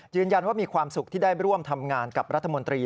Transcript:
มีความสุขที่ได้ร่วมทำงานกับรัฐมนตรี